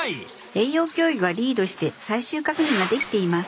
栄養教諭がリードして最終確認ができています。